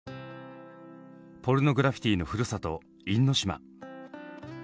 ポルノグラフィティのふるさと因島。